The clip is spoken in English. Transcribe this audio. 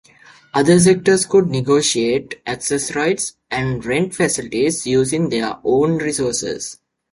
Other sectors could negotiate access rights and rent facilities, using their own resources.